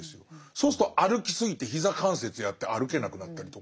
そうすると歩き過ぎて膝関節やって歩けなくなったりとか。